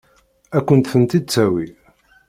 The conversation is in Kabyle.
Ad kent-ten-id-tawi?